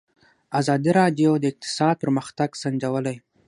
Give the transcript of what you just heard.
ازادي راډیو د اقتصاد پرمختګ سنجولی.